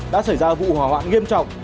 đã xảy ra vụ hỏa hoạn nghiêm trọng